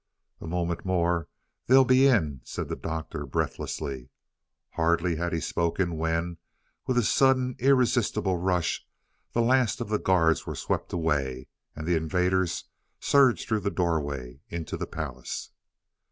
"A moment more they'll be in," said the Doctor breathlessly. Hardly had he spoken when, with a sudden, irresistible rush, the last of the guards were swept away, and the invaders surged through the doorway into the palace.